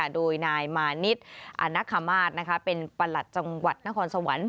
โดยนายมานิดอนักคมาศเป็นประหลัดจังหวัดนครสวรรค์